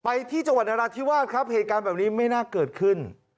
ไปที่จังหวัดนราธิวาสครับเหตุการณ์แบบนี้ไม่น่าเกิดขึ้น